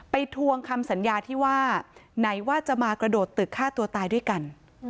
ทวงคำสัญญาที่ว่าไหนว่าจะมากระโดดตึกฆ่าตัวตายด้วยกัน